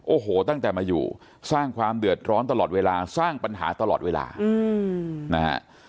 โอ้โหตั้งแต่มาอยู่สร้างความเดือดร้อนตลอดเวลาสร้างปัญหาตลอดเวลานะฮะ